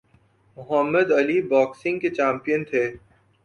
محمد Ali boxing کے champion تھے